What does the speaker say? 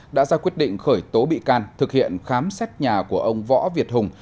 đã ra quyết định khởi tố bị can thực hiện khám xét nhà của ông võ việt hùng